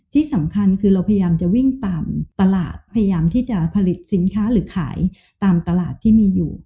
ที่สำคัญคือเราพยายามจะวิ่งตามตลาดพยายามที่จะผลิตสินค้าหรือขายตามตลาดที่มีอยู่